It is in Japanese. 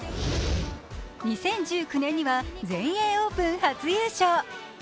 ２０１９年には全英オープン初優勝。